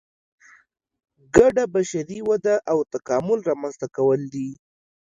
ګډه بشري وده او تکامل رامنځته کول دي.